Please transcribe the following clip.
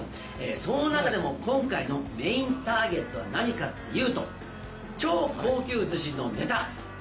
その中でも今回のメインターゲットは何かっていうと超高級寿司のネタ。